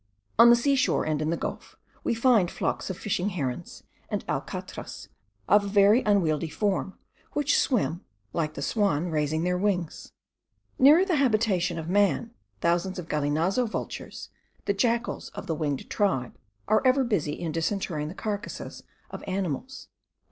On the seashore, and in the gulf, we find flocks of fishing herons, and alcatras of a very unwieldy form, which swim, like the swan, raising their wings. Nearer the habitation of man, thousands of galinazo vultures, the jackals of the winged tribe, are ever busy in disinterring the carcases of animals.